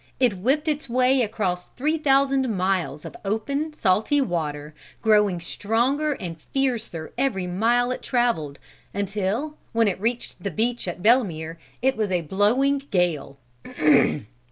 It whipped its way across three thousand miles of open, salty water, growing stronger and fiercer every mile it traveled, until, when it reached the beach at Belemere, it was blowing a gale.